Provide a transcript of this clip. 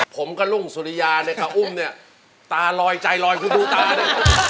ผมกับลุงสุริยาเนี่ยกับอุ้มเนี่ยตาลอยใจลอยคุณดูตาเนี่ย